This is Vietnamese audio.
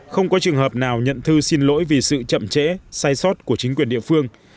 không có trường hợp nào nhận thư xin lỗi vì sự chậm chế sai sót của chính quyền địa phương